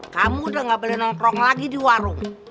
kamu udah gak boleh nongkrong lagi di warung